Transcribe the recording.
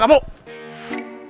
dia punya anak